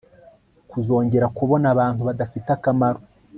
kuzongera kubona abantu badafite akamaro